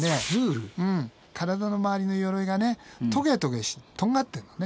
体の周りの鎧がねトゲトゲしてとんがってんのね。